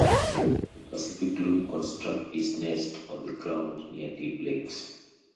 The Pacific loon constructs its nest on the ground near deep lakes.